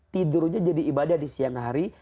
tidurnya jadi ibadah di siang hari